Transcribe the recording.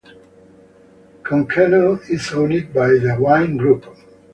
Concannon is owned by The Wine Group.